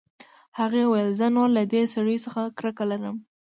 هغې وویل زه نور له دې سړیو څخه کرکه لرم